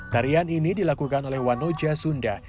tarian ini dilakukan oleh wanoja sunda